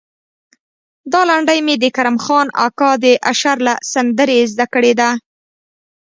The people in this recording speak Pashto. دا لنډۍ مې د کرم خان اکا د اشر له سندرې زده کړې ده.